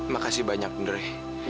makasih banyak ndre